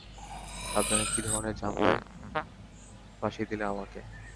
সাবধানে কি ধরনের ঝামেলায় ফাঁসিয়ে দিলে আমাকে?